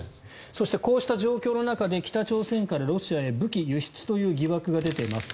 そしてこうした状況の中で北朝鮮からロシアへ武器輸出という疑惑が出ています。